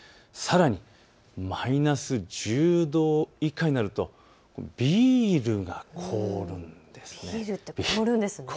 さらにマイナス１０度以下になるとビールが凍るんです。